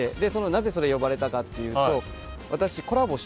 なぜそれ呼ばれたかっていうと私コラボして。